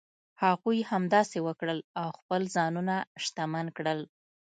هغوی همداسې وکړل او خپل ځانونه شتمن کړل.